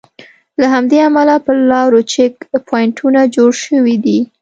له همدې امله پر لارو چیک پواینټونه جوړ شوي دي.